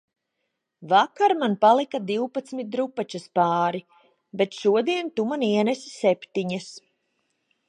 Vakar man palika divpadsmit drupačas pāri, bet šodien tu man ienesi septiņas